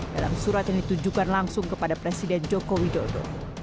dalam surat yang ditujukan langsung kepada presiden joko widodo